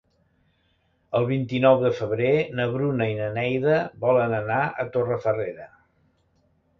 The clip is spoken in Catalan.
El vint-i-nou de febrer na Bruna i na Neida volen anar a Torrefarrera.